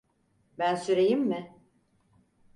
Ben süreyim mi?